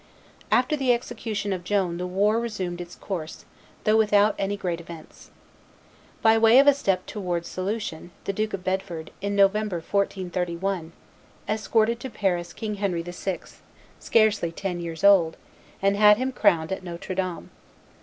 After the execution of Joan the war resumed its course, though without any great events. By way of a step towards solution, the Duke of Bedford, in November, 1431, escorted to Paris King Henry VI., scarcely ten years old, and had him crowned at Notre Dame.